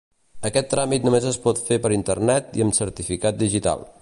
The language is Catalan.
Aquest tràmit només es pot fer per internet i amb certificat digital.